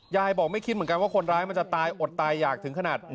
ยายบอกไม่คิดเหมือนกันว่าคนร้ายมันจะตายอดตายอยากถึงขนาด